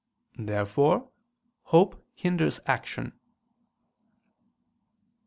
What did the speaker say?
Therefore hope hinders action.